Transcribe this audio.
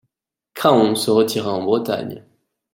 Craon se retira en Bretagne.